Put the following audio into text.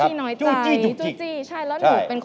มินมินมินมินมิน